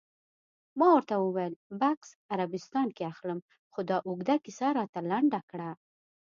ما ورته وویل: بکس عربستان کې اخلم، خو دا اوږده کیسه راته لنډه کړه.